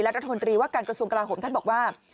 รัฐมนตรีว่าการกระทรวงกลาโหมท่านบอกว่า